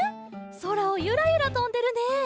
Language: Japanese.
そらをゆらゆらとんでるね。